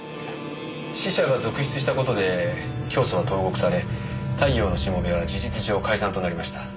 死者が続出した事で教祖は投獄され太陽のしもべは事実上解散となりました。